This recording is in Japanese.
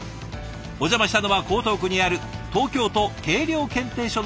お邪魔したのは江東区にある東京都計量検定所の本庁舎。